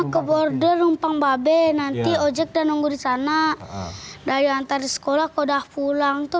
ke border rumpang babe nanti ojek dan nunggu di sana dari antar sekolah kodah pulang tuh